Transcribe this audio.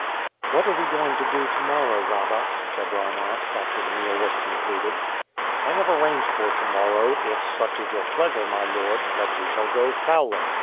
"What are we going to do to morrow, Rabah?" Chebron asked after the meal was concluded. "I have arranged for to morrow, if such is your pleasure, my lord, that you shall go fowling.